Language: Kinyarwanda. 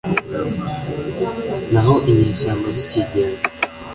naho inyeshyamba zikigenga.